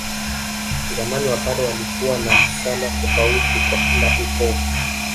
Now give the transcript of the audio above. Zamani Wapare walikuwa na sala tofauti kwa kila ukoo